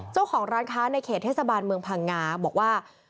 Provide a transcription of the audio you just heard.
เจ้าของร้านค้าในเขตเทศบาลเมืองพังงาบอกว่า